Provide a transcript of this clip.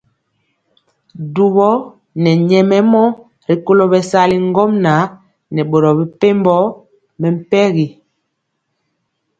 Dubɔ nɛ nyɛmemɔ rikolo bɛsali ŋgomnaŋ nɛ boro mepempɔ mɛmpegi.